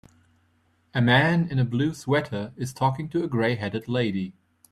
a man in a blue sweater is talking to a gray headed lady.